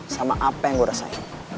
sama apa yang gue rasain